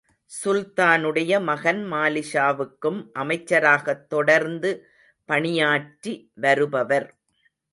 சுல்தானுடைய மகன் மாலிக்ஷாவுக்கும் அமைச்சராகத் தொடர்ந்து பணியாற்றி வருபவர்.